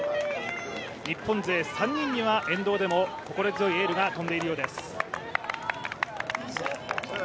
日本勢３人には沿道でも心強いエールが飛んでいるようです。